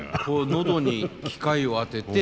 喉に機械を当てて。